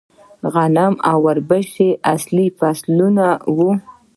غنم او وربشې اصلي فصلونه وو